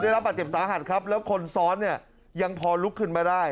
รับบาดเจ็บสาหัสครับแล้วคนซ้อนเนี่ยยังพอลุกขึ้นมาได้